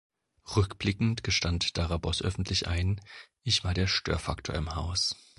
Rückblickend gestand Darabos öffentlich ein: „Ich war der Störfaktor im Haus“.